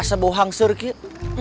kenapa lo bau hangser kek